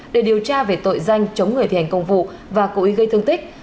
để điều tra về tội danh chống người thi hành công vụ và cố ý gây thương tích